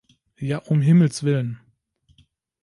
Ja, um Himmels willen!